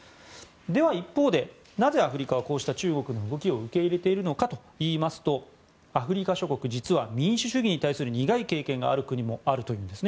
では一方で、なぜアフリカは中国のこうした動きを受け入れているのかといいますとアフリカ諸国、実は民主主義に対する苦い経験がある国もあるということです。